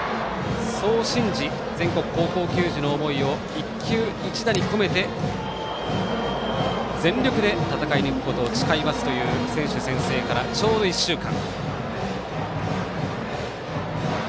そう信じ全国高校球児の思いを一球一打に込めて全力で戦い抜くことを誓いますという選手宣誓からちょうど１週間。